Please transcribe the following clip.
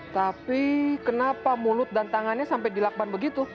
tapi kenapa mulut dan tangannya sampai dilakban begitu